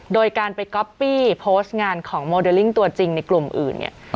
โดยการไปก๊อปปี้โพสต์งานของโมเดลลิ่งตัวจริงในกลุ่มอื่นเนี่ย